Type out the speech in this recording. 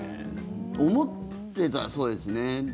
思ってたそうですね。